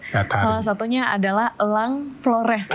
salah satunya adalah elang flores itu tadi